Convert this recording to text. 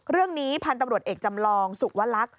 เรื่องนี้พันธุ์ตำรวจเอกจำลองสุวลักษณ์